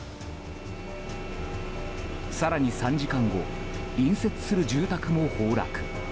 更に、３時間後隣接する住宅も崩落。